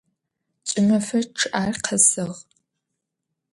Ç'ımefe ççı'er khesığ.